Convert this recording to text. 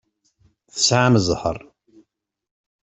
Tesɛam zzheṛ.